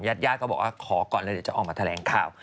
ญาติญาติก็บอกว่าขอก่อนเลยเดี๋ยวจะออกมาแถลงข่าว